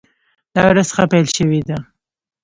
دا ورځ ښه پیل شوې ده.